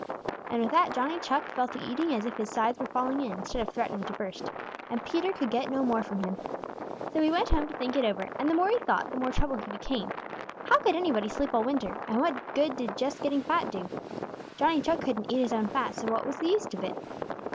And with that, Johnny Chuck fell to eating as if his sides were falling in instead of threatening to burst, and Peter could get no more from him. So he went home to think it over, and the more he thought, the more troubled he became. How could anybody sleep all winter? And what good did just getting fat do? Johnny Chuck couldn't eat his own fat, so what was the use of it?